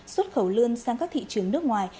xuất khẩu lươn sang các thị trường nước ngoài